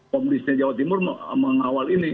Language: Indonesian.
komdisnya jawa timur mengawal ini